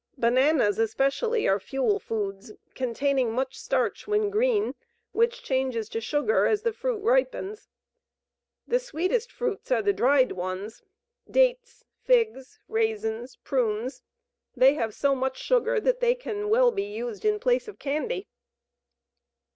Bananas especially are fuel foods, containing much starch when green, which changes to sugar as the fruit ripens. The sweetest fruits are the dried ones dates, figs, raisins, prunes. They have so much sugar that they can well be used in place of candy.